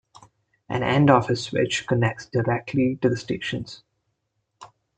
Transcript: An end office switch connects directly to the stations.